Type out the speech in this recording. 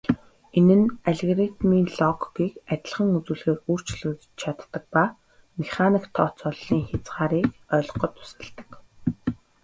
Энэ нь алгоритмын логикийг адилхан үзүүлэхээр өөрчлөгдөж чаддаг ба механик тооцооллын хязгаарыг ойлгоход тусалдаг.